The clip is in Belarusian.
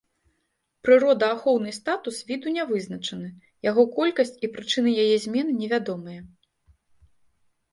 Прыродаахоўны статус віду нявызначаны, яго колькасць і прычыны яе змены невядомыя.